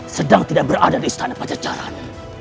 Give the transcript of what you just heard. sedang tidak berada di istana pancacaran